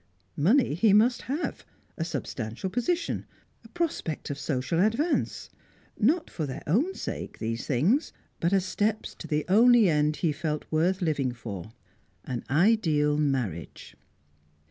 Money he must have; a substantial position; a prospect of social advance. Not for their own sake, these things, but as steps to the only end he felt worth living for an ideal marriage.